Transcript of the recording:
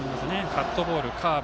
カットボール、カーブ